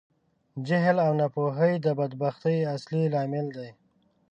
جهل او ناپوهۍ د بدبختي اصلی لامل دي.